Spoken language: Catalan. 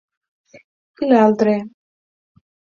I l'altre!?